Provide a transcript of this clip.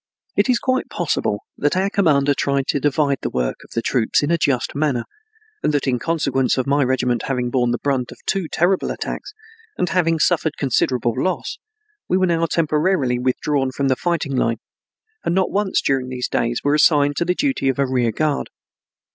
It is quite possible that our commander tried to divide the work of the troops in a just manner, and that in consequence of my regiment having borne the brunt of two terrible attacks, and having suffered considerable loss, we were now temporarily withdrawn from the fighting line, and not once during these days were assigned to the duty of a rear guard.